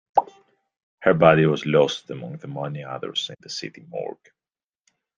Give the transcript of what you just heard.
Her body was lost among the many others in the city morgue.